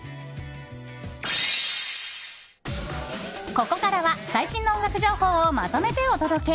ここからは最新の音楽情報をまとめてお届け。